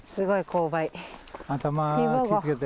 頭気を付けて。